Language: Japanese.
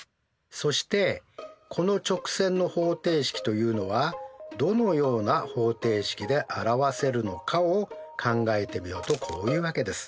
そしてこの直線の方程式というのはどのような方程式で表せるのかを考えてみようとこういうわけです。